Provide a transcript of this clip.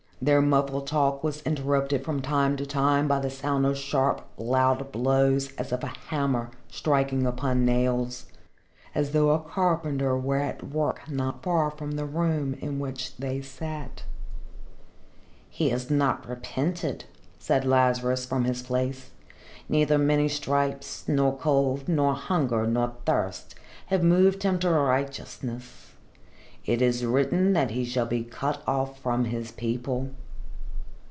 Their muffled talk was interrupted from time to time by the sound of sharp, loud blows, as of a hammer striking upon nails, and as though a carpenter were at work not far from the room in which they sat. "He has not repented," said Lazarus, from his place. "Neither many stripes, nor cold, nor hunger, nor thirst, have moved him to righteousness. It is written that he shall be cut off from his people."